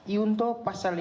iuntuk pasal lima puluh lima